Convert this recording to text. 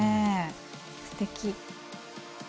すてき。